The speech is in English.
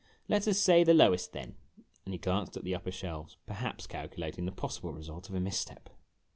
" Let us say the lowest, then "; and he glanced at the upper shelves, perhaps calculating the possible result of a misstep.